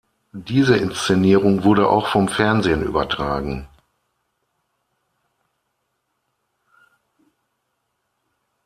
Diese Inszenierung wurde auch vom Fernsehen übertragen.